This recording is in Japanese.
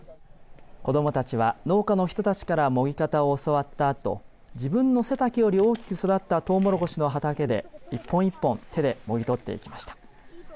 子どもたちは農家の人たちからもぎ方を教わったあと自分の背丈より大きく育ったトウモロコシの畑で一本一本手でもぎ取っていきました。